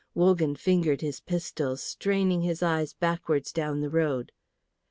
Wogan fingered his pistols, straining his eyes backwards down the road.